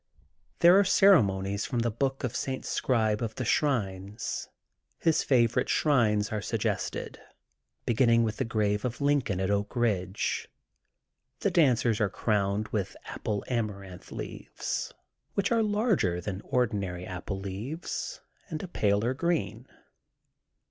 There are ceremonies from the book of St. Scribe of the Shrines. His favorite shrines are suggested, beginning with the Grave of Lincoln at Oak Eidge. The dancers are crowned with Apple Amaranth leaves, which are larger than ordinary apple leaves and a paler green.